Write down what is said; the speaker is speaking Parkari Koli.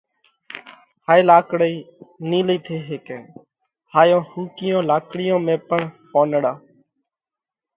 هائي لاڪڙئِي نِيلئِي ٿي هيڪئه۔ هائيون ۿُوڪِيون لاڪڙِيون ۾ پڻ پونَڙا